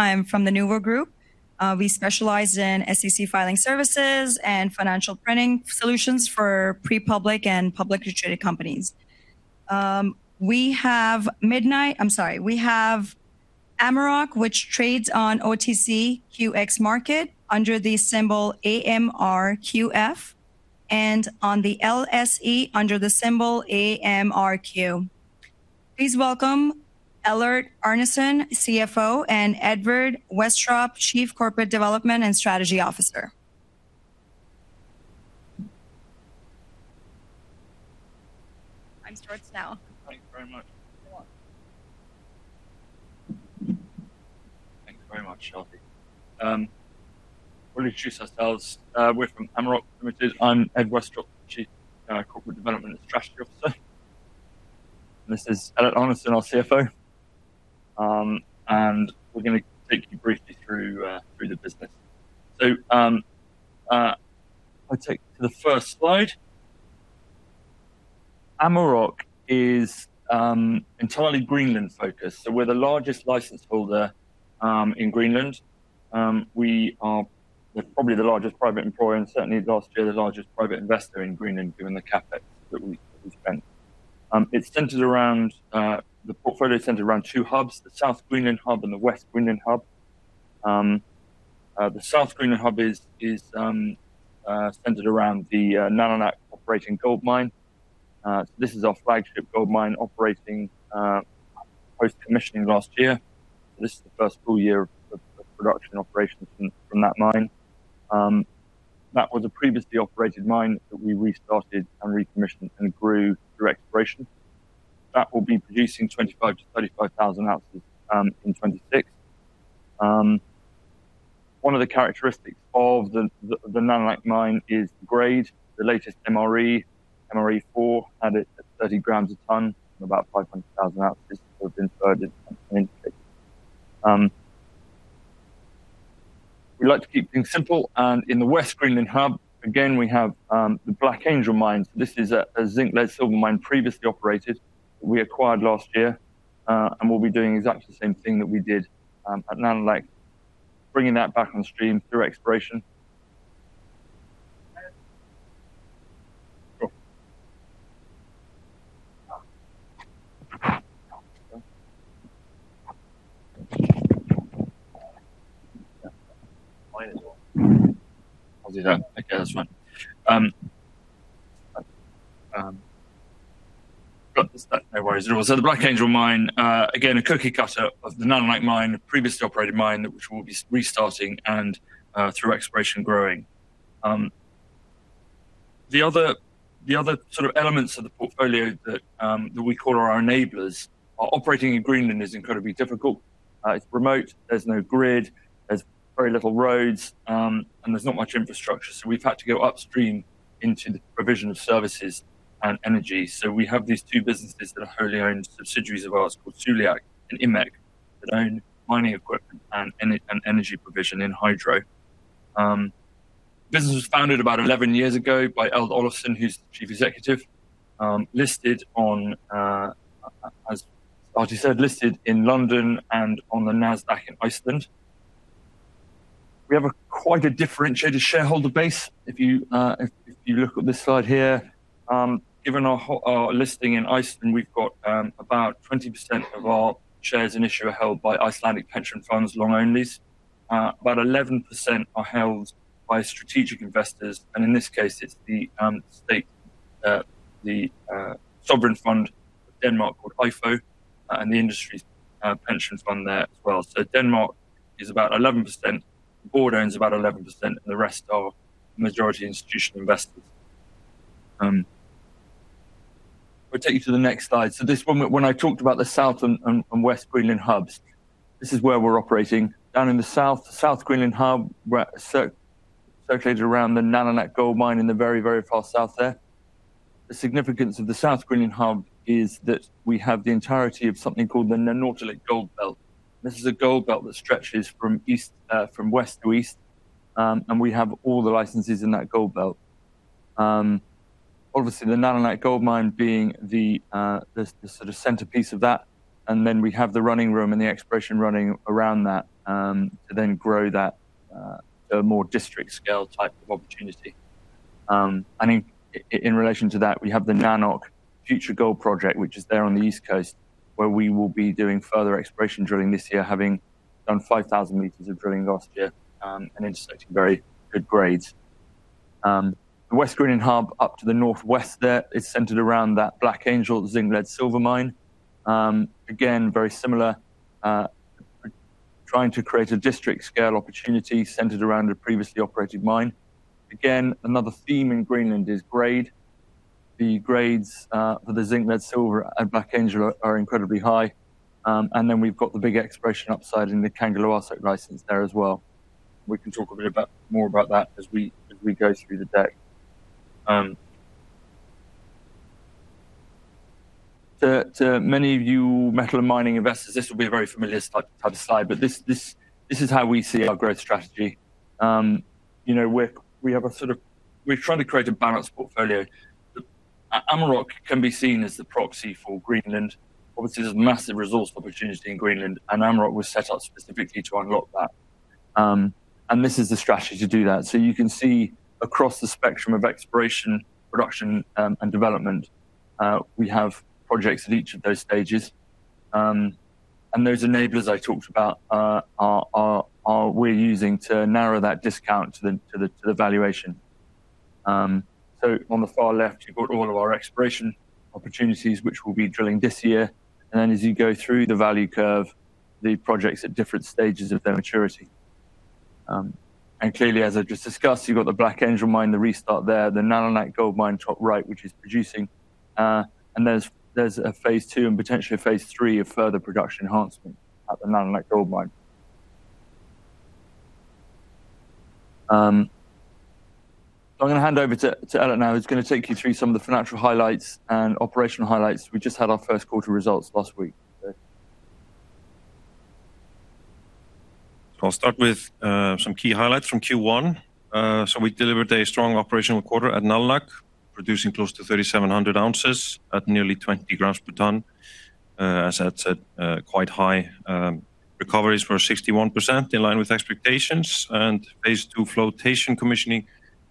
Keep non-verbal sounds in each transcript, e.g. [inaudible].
I am from The Nuvo Group. We specialize in SEC filing services and financial printing solutions for pre-public and publicly traded companies. We have Amaroq, which trades on OTCQX Market under the symbol AMRQF, and on the LSE under the symbol AMRQ. Please welcome Ellert Arnarson, CFO, and Edward Westropp, Chief Corporate Development and Strategy Officer. Time starts now. Thank you very much. You're welcome. Thank you very much, Shelby. We'll introduce ourselves. We're from Amaroq Ltd. I'm Ed Westropp, the Chief Corporate Development and Strategy Officer. This is Ellert Arnarson, our CFO. We're going to take you briefly through the business. If I take you to the first slide. Amaroq is entirely Greenland focused. We're the largest license holder in Greenland. We're probably the largest private employer and certainly last year, the largest private investor in Greenland given the CapEx that we spent. The portfolio is centered around two hubs, the South Greenland Hub and the West Greenland Hub. The South Greenland Hub is centered around the Nalunaq operating gold mine. This is our flagship gold mine operating post commissioning last year. This is the first full year of production operations from that mine. That was a previously operated mine that we restarted and recommissioned and grew through exploration. That will be producing 25,000 oz to 35,000 oz in 2026. One of the characteristics of the Nalunaq mine is grade. The latest MRE, MRE4, had it at 30 g/ton and about 500,000 oz. We like to keep things simple, and in the West Greenland Hub, again, we have the Black Angel mine. This is a zinc, lead, silver mine previously operated, we acquired last year. We'll be doing exactly the same thing that we did at Nalunaq, bringing that back on stream through exploration. [audio distortion] I'll do that. Okay, that's fine. Got this. No worries at all. The Black Angel mine, again, a cookie cutter of the Nalunaq mine, a previously operated mine, which we'll be restarting and through exploration, growing. The other sort of elements of the portfolio that we call are our enablers are operating in Greenland is incredibly difficult. It's remote, there's no grid, there's very little roads, and there's not much infrastructure. We've had to go upstream into the provision of services and energy. We have these two businesses that are wholly owned subsidiaries of ours called Suliaq and Imeq that own mining equipment and energy provision in hydro. Business was founded about 11 years ago by Eldur Ólafsson, who's the Chief Executive, listed on, as [audio distortion] said, listed in London and on Nasdaq Iceland. We have quite a differentiated shareholder base. If you look at this slide here, given our listing in Iceland, we've got about 20% of our shares in issue are held by Icelandic pension funds long-onlys. About 11% are held by strategic investors, and in this case, it's the state, the sovereign fund of Denmark called IFU, and the industry's pension fund there as well. Denmark is about 11%, the board owns about 11%, and the rest are majority institutional investors. We'll take you to the next slide. This one, when I talked about the South and West Greenland hubs, this is where we're operating. Down in the south, South Greenland hub, we're circulated around the Nalunaq Gold Mine in the very, very far south there. The significance of the South Greenland hub is that we have the entirety of something called the Nanortalik Gold Belt. This is a gold belt that stretches from west to east, and we have all the licenses in that gold belt. Obviously the Nalunaq Gold Mine being the sort of centerpiece of that, and then we have the running room and the exploration running around that, to then grow that to a more district-scale type of opportunity. In relation to that, we have the Nanoq Future Gold Project, which is there on the East Coast where we will be doing further exploration drilling this year, having done 5,000 m of drilling last year, and intersecting very good grades. The West Greenland Hub up to the northwest there is centered around that Black Angel zinc, lead, silver mine. Very similar, trying to create a district-scale opportunity centered around a previously operated mine. Another theme in Greenland is grade. The grades for the zinc, lead, silver at Black Angel are incredibly high. We've got the big exploration upside in the Kangerluarsuk license there as well. We can talk a bit more about that as we go through the deck. To many of you metal and mining investors, this will be a very familiar type of slide, this is how we see our growth strategy. We're trying to create a balanced portfolio. Amaroq can be seen as the proxy for Greenland. There's massive resource opportunity in Greenland, and Amaroq was set up specifically to unlock that. This is the strategy to do that. You can see across the spectrum of exploration, production, and development, we have projects at each of those stages. Those enablers I talked about, we're using to narrow that discount to the valuation. On the far left, you've got all of our exploration opportunities which we'll be drilling this year. As you go through the value curve, the projects at different stages of their maturity. Clearly, as I just discussed, you've got the Black Angel mine, the restart there, the Nalunaq Gold Mine top right, which is producing. There's a Phase 2 and potentially a Phase 3 of further production enhancement at the Nalunaq Gold Mine. I'm going to hand over to Ellert now, who's going to take you through some of the financial highlights and operational highlights. We just had our first quarter results last week. I'll start with some key highlights from Q1. We delivered a strong operational quarter at Nalunaq, producing close to 3,700 oz at nearly 20 g/ton. As I said, quite high recoveries for 61% in line with expectations, and Phase 2 flotation commissioning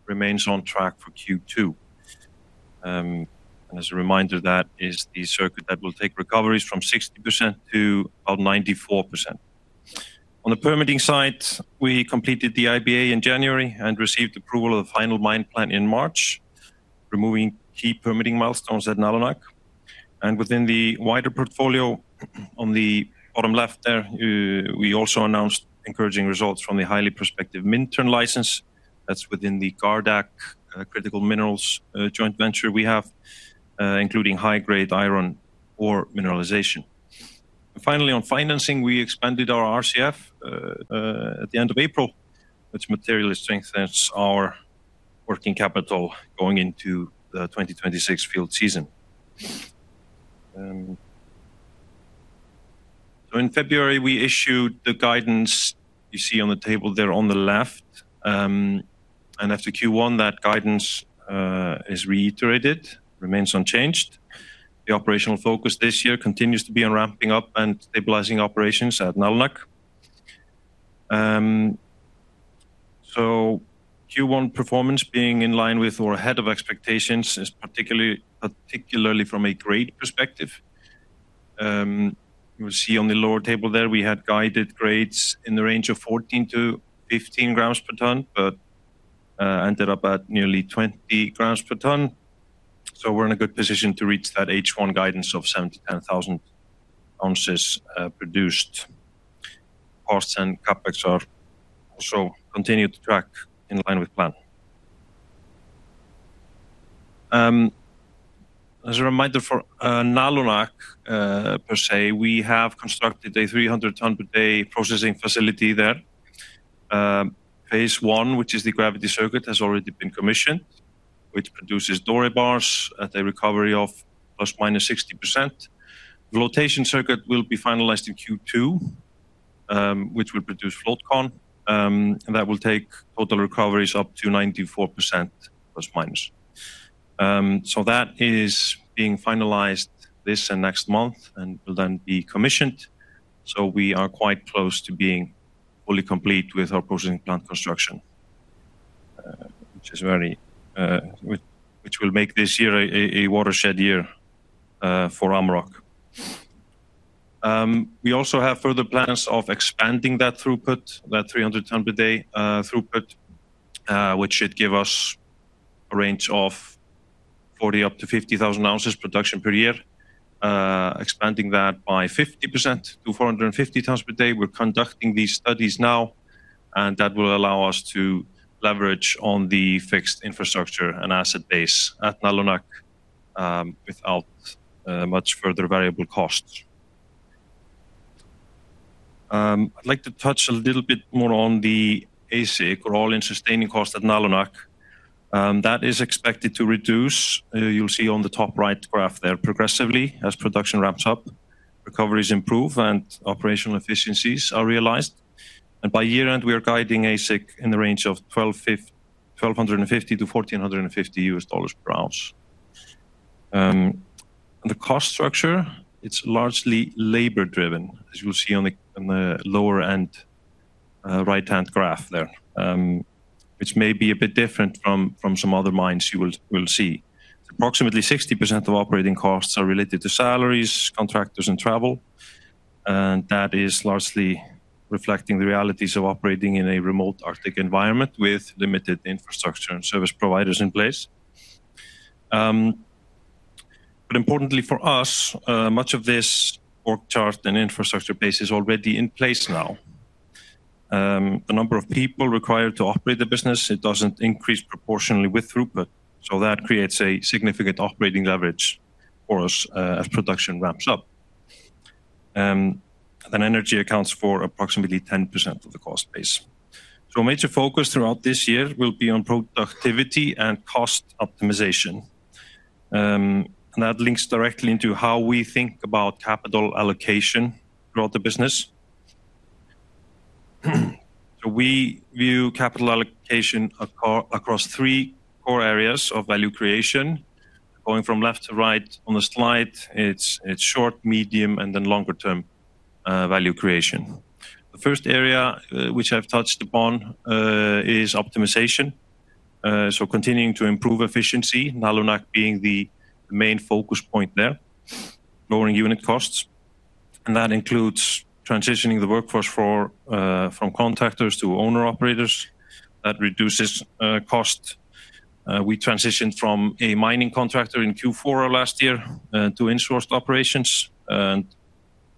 remains on track for Q2. As a reminder, that is the circuit that will take recoveries from 60% to about 94%. On the permitting side, we completed the IBA in January and received approval of the final mine plan in March, removing key permitting milestones at Nalunaq. Within the wider portfolio on the bottom left there, we also announced encouraging results from the highly prospective Minturn license that's within the Gardaq Critical Minerals joint venture we have, including high-grade iron ore mineralization. On financing, we expanded our RCF at the end of April, which materially strengthens our working capital going into the 2026 field season. In February, we issued the guidance you see on the table there on the left. After Q1, that guidance is reiterated, remains unchanged. The operational focus this year continues to be on ramping up and stabilizing operations at Nalunaq. Q1 performance being in line with or ahead of expectations is particularly from a grade perspective. You will see on the lower table there, we had guided grades in the range of 14 g/ton-15 g/ton, but ended up at nearly 20 g/ton, so we're in a good position to reach that H1 guidance of 7,000 oz to 10,000 ozproduced. Costs and CapEx are also continued to track in line with plan. As a reminder for Nalunaq per se, we have constructed a 300 tons per day processing facility there. Phase 1, which is the gravity circuit, has already been commissioned, which produces Doré bars at a recovery of ±60%. The flotation circuit will be finalized in Q2, which will produce float con, that will take total recoveries up to ±94%. That is being finalized this and next month and will then be commissioned, we are quite close to being fully complete with our processing plant construction, which will make this year a watershed year for Amaroq. We also have further plans of expanding that throughput, that 300 tons per day throughput, which should give us a range of 40,000 oz-50,000 oz production per year, expanding that by 50% to 450 tons per day. We're conducting these studies now, and that will allow us to leverage on the fixed infrastructure and asset base at Nalunaq, without much further variable costs. I'd like to touch a little bit more on the AISC, or all-in sustaining cost at Nalunaq. That is expected to reduce, you'll see on the top right graph there, progressively as production ramps up, recoveries improve, and operational efficiencies are realized. By year-end, we are guiding AISC in the range of $1,250-$1,450 per ounce. On the cost structure, it's largely labor driven, as you'll see on the lower end right-hand graph there, which may be a bit different from some other mines you will see. Approximately 60% of operating costs are related to salaries, contractors, and travel. That is largely reflecting the realities of operating in a remote Arctic environment with limited infrastructure and service providers in place. Importantly for us, much of this org chart and infrastructure base is already in place now. The number of people required to operate the business doesn't increase proportionally with throughput. That creates a significant operating leverage for us as production ramps up. Energy accounts for approximately 10% of the cost base. A major focus throughout this year will be on productivity and cost optimization. That links directly into how we think about capital allocation throughout the business. We view capital allocation across three core areas of value creation, going from left to right on the slide, it's short, medium, and then longer term value creation. The first area which I've touched upon is optimization. Continuing to improve efficiency, Nalunaq being the main focus point there, lowering unit costs. That includes transitioning the workforce from contractors to owner operators. That reduces cost. We transitioned from a mining contractor in Q4 of last year, to insourced operations, and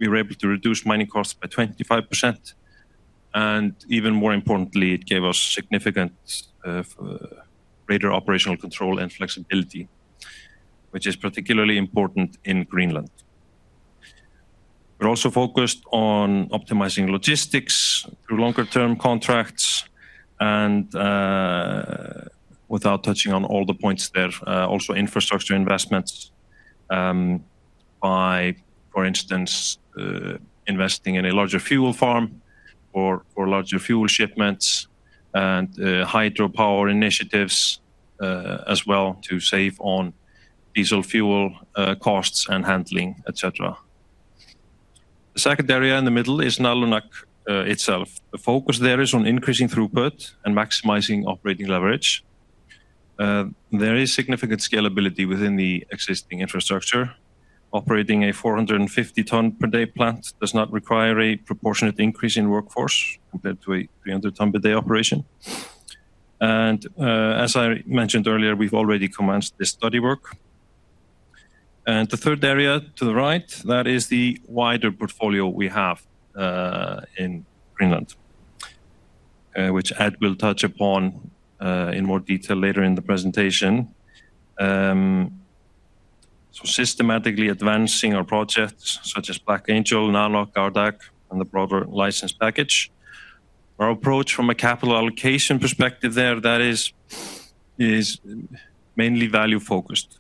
we were able to reduce mining costs by 25%. Even more importantly, it gave us significant greater operational control and flexibility, which is particularly important in Greenland. We're also focused on optimizing logistics through longer term contracts and, without touching on all the points there, also infrastructure investments, by, for instance, investing in a larger fuel farm or larger fuel shipments and hydropower initiatives, as well to save on diesel fuel costs and handling, et cetera. The second area in the middle is Nalunaq itself. The focus there is on increasing throughput and maximizing operating leverage. There is significant scalability within the existing infrastructure. Operating a 450 tons per day plant does not require a proportionate increase in workforce compared to a 300 tons per day operation. As I mentioned earlier, we've already commenced this study work. The third area to the right, that is the wider portfolio we have in Greenland, which Ed will touch upon in more detail later in the presentation. Systematically advancing our projects such as Black Angel, Nalunaq, Qaarsu, and the broader license package. Our approach from a capital allocation perspective there that is mainly value focused.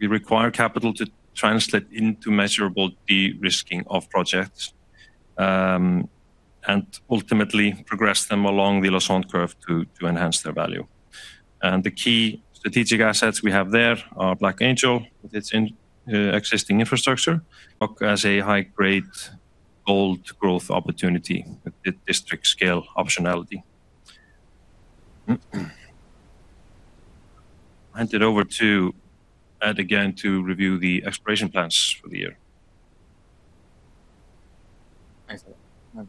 We require capital to translate into measurable de-risking of projects, and ultimately progress them along the Lassonde curve to enhance their value. The key strategic assets we have there are Black Angel with its existing infrastructure, Nalunaq as a high-grade gold growth opportunity with district-scale optionality. I'll hand it over to Ed again to review the exploration plans for the year. Thanks, El.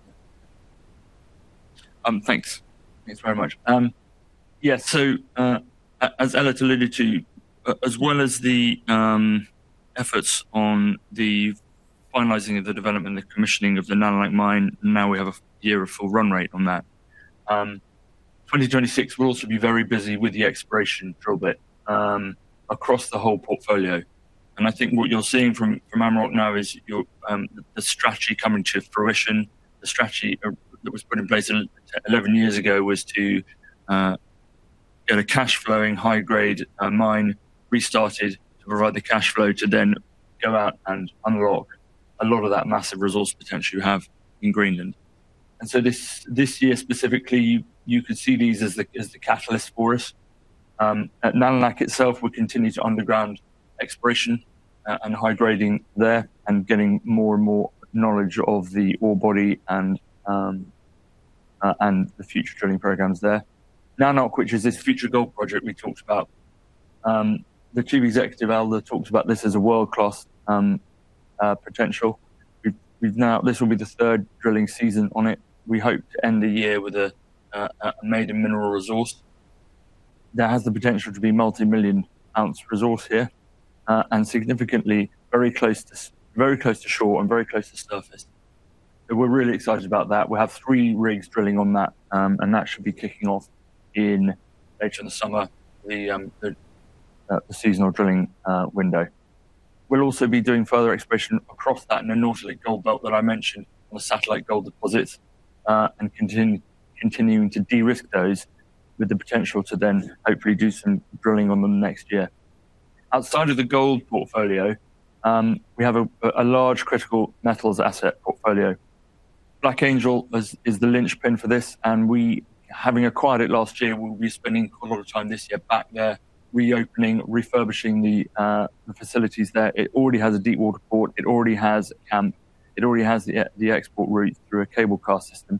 Thanks. Thanks very much. As El alluded to, as well as the efforts on the finalizing of the development and commissioning of the Nalunaq mine, now we have a year of full run rate on that. 2026, we'll also be very busy with the exploration drill bit across the whole portfolio. I think what you're seeing from Amaroq now is the strategy coming to fruition. The strategy that was put in place 11 years ago was to get a cash flowing high-grade mine restarted to provide the cash flow to then go out and unlock a lot of that massive resource potential you have in Greenland. This year specifically, you could see these as the catalyst for us. At Nalunaq itself, we continue to underground exploration, and high-grading there, and getting more and more knowledge of the ore body and the future drilling programs there. Nanoq, which is this future gold project we talked about, the Chief Executive, Eldur, talked about this as a world-class potential. This will be the third drilling season on it. We hope to end the year with a maiden mineral resource that has the potential to be multi-million-ounce resource here, and significantly very close to shore and very close to surface. We're really excited about that. We have three rigs drilling on that, and that should be kicking off in later in the summer, the seasonal drilling window. We'll also be doing further exploration across that in the Nanortalik Gold Belt that I mentioned on the satellite gold deposits, and continuing to de-risk those with the potential to then hopefully do some drilling on them next year. Outside of the gold portfolio, we have a large critical metals asset portfolio. Black Angel is the linchpin for this, and we, having acquired it last year, will be spending a lot of time this year back there reopening, refurbishing the facilities there. It already has a deep water port, it already has the export route through a cable car system.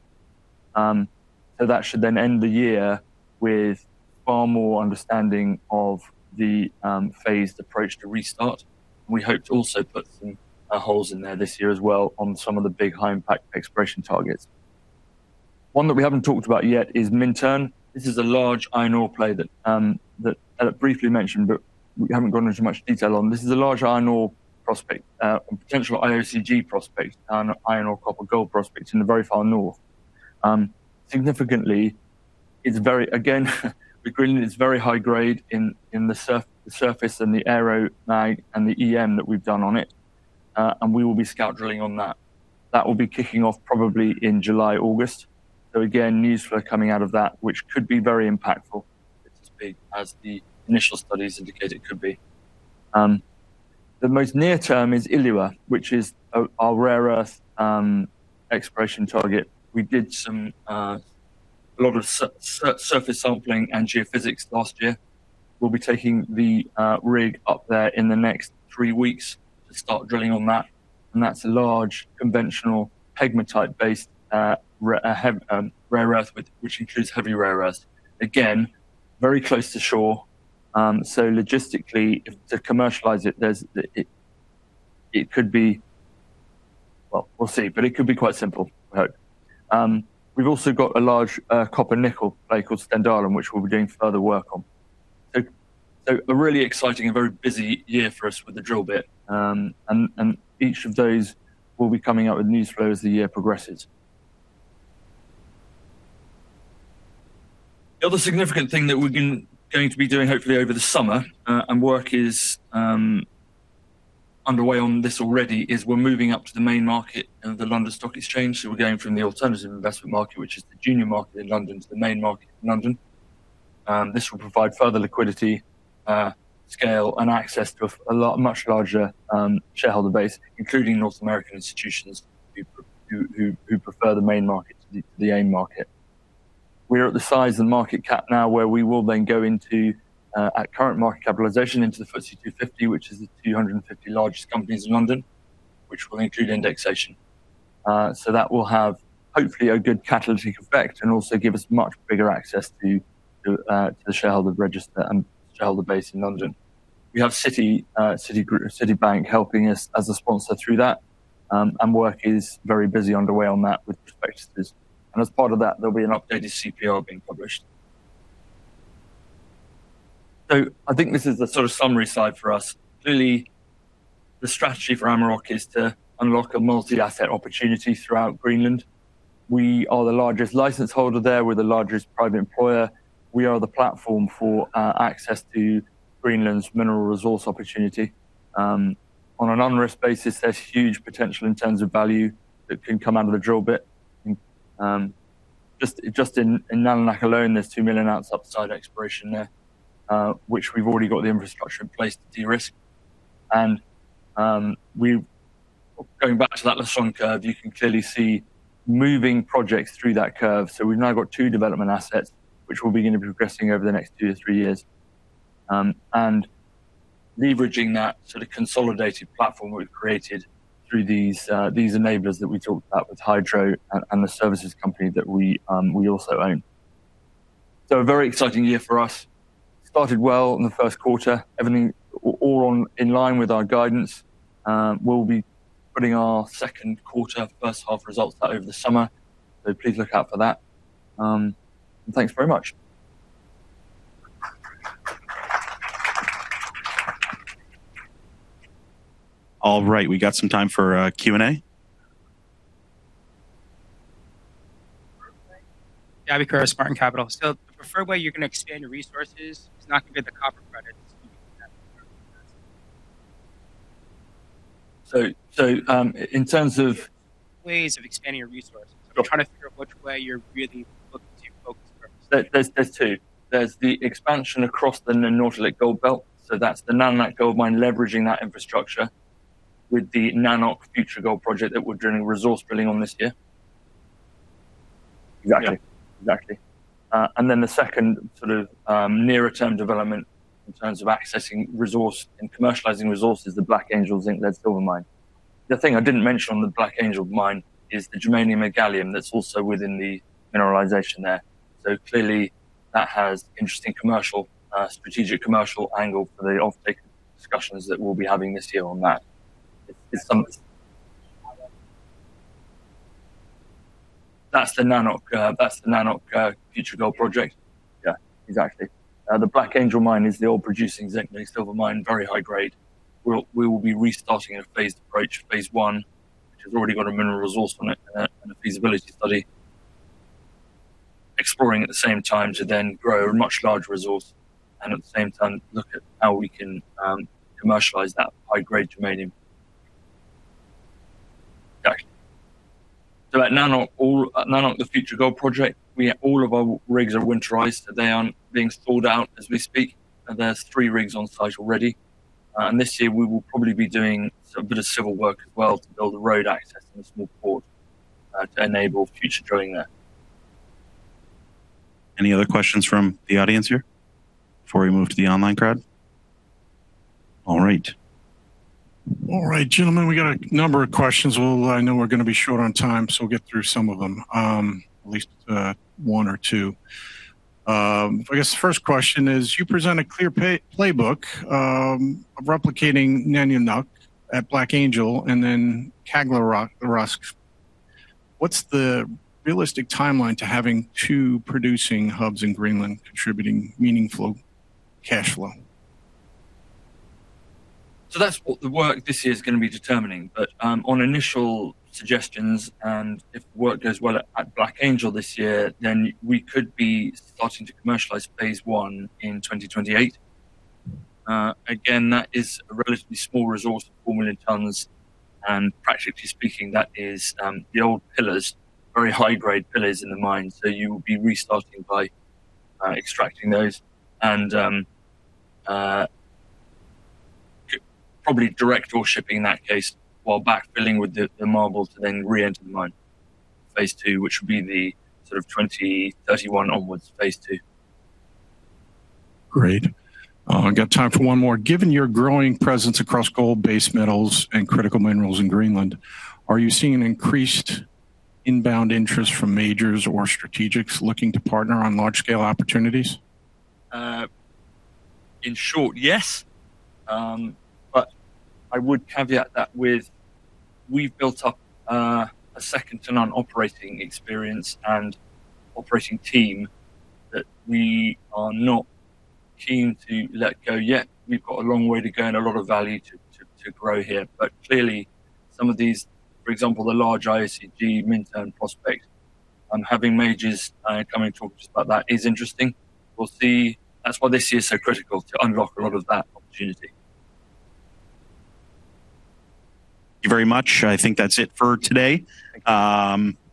That should then end the year with far more understanding of the phased approach to restart. We hope to also put some holes in there this year as well on some of the big high impact exploration targets. One that we haven't talked about yet is Minturn. This is a large iron ore play that El briefly mentioned, but we haven't gone into much detail on. This is a large iron ore prospect, a potential IOCG prospect, an iron ore copper gold prospect in the very far north. Significantly, again, with Greenland, it's very high grade in the surface and the aero mag and the EM that we've done on it. We will be scout drilling on that. That will be kicking off probably in July, August. Again, news flow coming out of that, which could be very impactful, so to speak, as the initial studies indicate it could be. The most near term is Ilua, which is our rare earth exploration target. We did a lot of surface sampling and geophysics last year. We'll be taking the rig up there in the next three weeks to start drilling on that. That's a large conventional pegmatite based rare earth, which includes heavy rare earth. Again, very close to shore. Logistically to commercialize it, well, we'll see, but it could be quite simple, we hope. We've also got a large copper nickel play called Stendalen, which we'll be doing further work on. A really exciting and very busy year for us with the drill bit. Each of those will be coming out with news flow as the year progresses. The other significant thing that we're going to be doing hopefully over the summer, and work is underway on this already, is we're moving up to the main market of the London Stock Exchange. We are going from the Alternative Investment Market, which is the junior market in London, to the main market in London. This will provide further liquidity, scale, and access to a much larger shareholder base, including North American institutions who prefer the main market to the AIM market. We are at the size and market cap now where we will then go, at current market capitalization, into the FTSE 250, which is the 250 largest companies in London, which will include indexation. That will have hopefully a good catalytic effect and also give us much bigger access to the shareholder base in London. We have Citigroup, Citibank helping us as a sponsor through that, and work is very busy underway on that with respect to this. As part of that, there will be an updated CPR being published. I think this is the sort of summary side for us. Clearly, the strategy for Amaroq is to unlock a multi-asset opportunity throughout Greenland. We are the largest license holder there. We're the largest private employer. We are the platform for access to Greenland's mineral resource opportunity. On an unrisk basis, there's huge potential in terms of value that can come out of the drill bit. Just in Nalunaq alone, there's 2 million ounce upside exploration there, which we've already got the infrastructure in place to de-risk. Going back to that Lassonde curve, you can clearly see moving projects through that curve. We've now got two development assets, which we'll be going to be progressing over the next two to three years. Leveraging that sort of consolidated platform we've created through these enablers that we talked about with hydro and the services company that we also own. A very exciting year for us. Started well in the first quarter. All in line with our guidance. We'll be putting our second quarter, first half results out over the summer. Please look out for that. Thanks very much. All right. We got some time for Q&A. [audio distortion] Spartan Capital. The preferred way you're going to expand your resources is not going to be the copper credits? So, in terms of- Ways of expanding your resources. Sure. I'm trying to figure out which way you're really looking to focus your efforts. There's two. There's the expansion across the Nanortalik Gold Belt. That's the Nalunaq Gold Mine, leveraging that infrastructure with the Nanoq Future Gold Project that we're doing resource building on this year. Exactly. Then the second sort of nearer term development in terms of accessing resource and commercializing resources, the Black Angel mine. The thing I didn't mention on the Black Angel mine is the germanium and gallium that's also within the mineralization there. Clearly that has interesting strategic commercial angle for the offtake discussions that we'll be having this year on that. That's the Nanoq Future Gold Project. Yeah, exactly. The Black Angel mine is the old producing zinc, lead, silver mine. Very high grade. We will be restarting a phased approach. Phase 1, which has already got a mineral resource from it and a feasibility study. Exploring at the same time to then grow a much larger resource, and at the same time, look at how we can commercialize that high-grade germanium. Got you. At Nanoq, the Nanoq Future Gold Project, all of our rigs are winterized. They are being spooled out as we speak, and there's three rigs on site already. This year we will probably be doing a bit of civil work as well to build the road access and the small port to enable future drilling there. Any other questions from the audience here before we move to the online crowd? All right. All right, gentlemen, we got a number of questions. Although I know we're going to be short on time, so we'll get through some of them. At least one or two. I guess the first question is, you present a clear playbook of replicating Nalunaq at Black Angel and then Kangerluarsuk. What's the realistic timeline to having two producing hubs in Greenland contributing meaningful cash flow? That's what the work this year is going to be determining. On initial suggestions, and if the work goes well at Black Angel this year, then we could be starting to commercialize Phase 1 in 2028. Again, that is a relatively small resource, 4 million tons, and practically speaking, that is the old pillars, very high grade pillars in the mine. You will be restarting by extracting those and probably direct ore shipping in that case, while backfilling with the marbles to then reenter the mine. Phase 2, which would be the sort of 2031 onwards Phase 2. Great. I've got time for one more. Given your growing presence across gold base metals and critical minerals in Greenland, are you seeing an increased inbound interest from majors or strategics looking to partner on large scale opportunities? In short, yes. I would caveat that with, we've built up a second to none operating experience and operating team that we are not keen to let go yet. We've got a long way to go and a lot of value to grow here. Clearly some of these, for example, the large IOCG, mid-term prospects, having majors coming to talk to us about that is interesting. We'll see. That's why this year is so critical to unlock a lot of that opportunity. Thank you very much. I think that is it for today. Thank you.